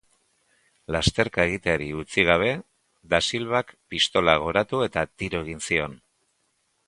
Lasterka egiteari utzi gabe, Dasilvak pistola goratu eta tiro egin zion.